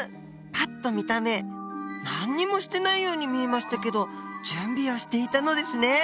パッと見た目何にもしてないように見えましたけど準備をしていたのですね。